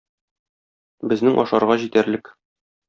Безнең ашарга җитәрлек.